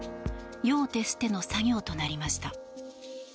夜を徹しての作業となりました。